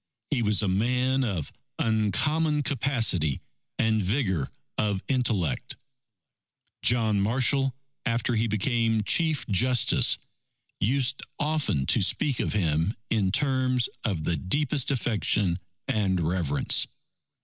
He was a man of uncommon capacity and vigour of intellect. John Marshall, after he became Chief Justice, used often to speak of him in terms of the deepest affection and reverence.